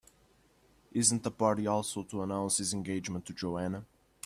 Isn't the party also to announce his engagement to Joanna?